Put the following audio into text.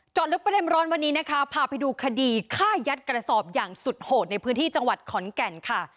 ลึกประเด็นร้อนวันนี้นะคะพาไปดูคดีฆ่ายัดกระสอบอย่างสุดโหดในพื้นที่จังหวัดขอนแก่นค่ะ